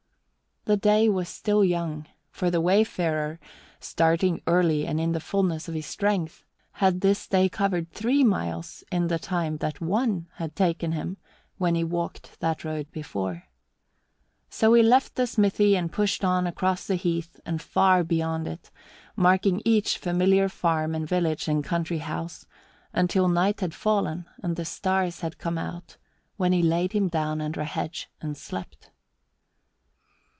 The day was still young, for the wayfarer, starting early and in the fullness of his strength, had this day covered three miles in the time that one had taken him when he walked that road before. So he left the smithy and pushed on across the heath and far beyond it, marking each familiar farm and village and country house, until night had fallen and the stars had come out, when he laid him down under a hedge and slept.